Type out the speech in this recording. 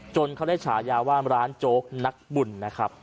เขาได้ฉายาว่าร้านโจ๊กนักบุญนะครับ